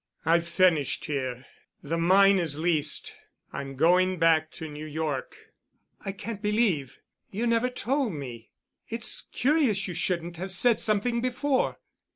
"I've finished here. The mine is leased. I'm going back to New York." "I can't believe—you never told me. It's curious you shouldn't have said something before."